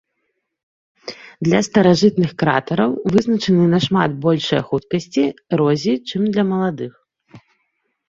Для старажытных кратараў вызначаны нашмат большыя хуткасці эрозіі, чым для маладых.